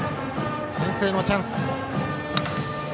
先制のチャンス。